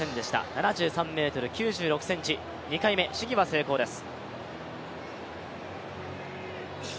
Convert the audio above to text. ７３ｍ９６ｃｍ、２回目、試技は成功です。